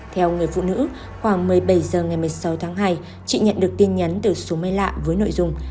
theo người phụ nữ khoảng một mươi bảy h ngày một mươi sáu tháng hai chị nhận được tin nhắn từ số máy lạ với nội dung